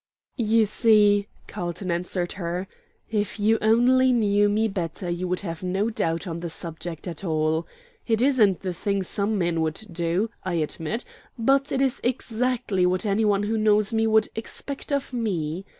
"You see," Carlton answered her, "if you only knew me better you would have no doubt on the subject at all. It isn't the thing some men would do, I admit, but it is exactly what any one who knows me would expect of me.